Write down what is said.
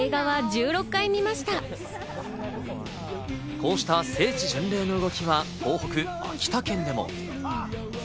こうした聖地巡礼の動きは東北、秋田県でも。